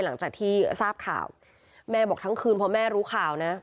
หลังจากที่ทราบข่าวแม่บอกทั้งคืนพอแม่รู้ข่าวนะ